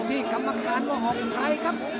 ที่กรรมการว่าหอมใครครับ